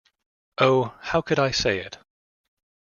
Oh, how could I say it!